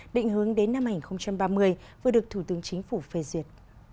định hướng đến năm hai nghìn ba mươi vừa được thủ tướng chính phủ phê duyệt